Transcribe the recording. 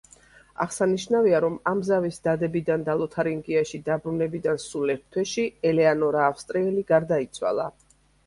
აღსანიშნავია, რომ ამ ზავის დადებიდან და ლოთარინგიაში დაბრუნებიდან სულ ერთ თვეში, ელეანორა ავსტრიელი გარდაიცვალა.